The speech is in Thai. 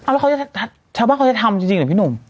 อร์เมอเขาจะทำจริงเหรอพี่หนุ่ม